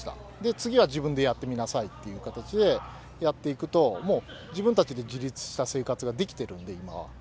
次は自分でやってみなさいって形でやっていくと、もう自分たちで自立した生活ができているので、今は。